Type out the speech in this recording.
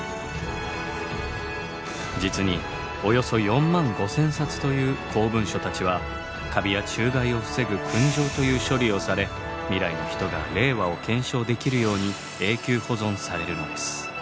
実におよそ４万５，０００冊という公文書たちはカビや虫害を防ぐくん蒸という処理をされ未来の人が令和を検証できるように永久保存されるのです。